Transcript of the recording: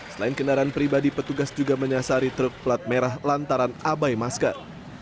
selain kendaraan pribadi petugas juga menyasari truk pelat merah lantaran abai masker